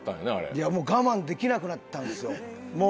いやもう我慢できなくなったんですよ。